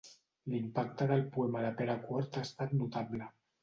L'impacte del poema de Pere Quart ha estat notable.